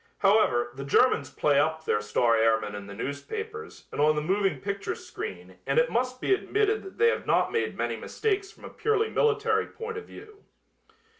However, the Germans play up their star airmen in the newspapers and on the moving picture screen and it must be admitted that they have not made many mistakes from a purely military point of view.